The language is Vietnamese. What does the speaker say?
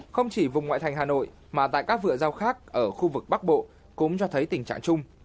không chỉ vùng ngoại thành hà nội mà tại các vựa rau khác ở khu vực bắc bộ cũng cho thấy tình trạng chung